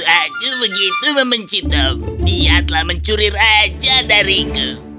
aku begitu membenci tom dia telah mencurir aja dariku